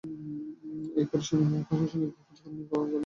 এ পৌরসভার প্রশাসনিক কার্যক্রম গলাচিপা থানার আওতাধীন।